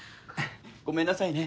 ごめんなさいね。